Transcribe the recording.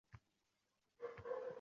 Hatto bemor boʻlsalar ham bu toʻxtamaydi